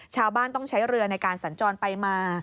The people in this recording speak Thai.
ชาวบ้านต้องใช้เรือในการสัญจรไปมา